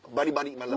まだ。